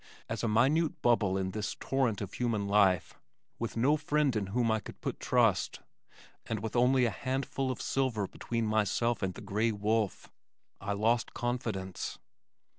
As a minute bubble in this torrent of human life, with no friend in whom I could put trust, and with only a handful of silver between myself and the gray wolf, I lost confidence.